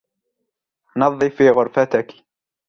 نظفي غرفتكِ.